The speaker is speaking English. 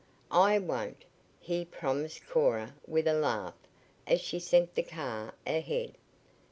"I won't," he promised Cora with a laugh as she sent the car ahead.